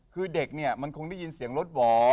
คือเด็กเนี่ยมันคงได้ยินเสียงรถหวอ